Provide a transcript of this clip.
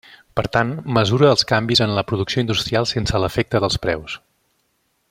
Per tant, mesura els canvis en la producció industrial sense l'efecte dels preus.